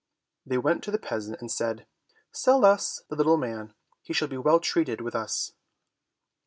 They went to the peasant and said, "Sell us the little man. He shall be well treated with us."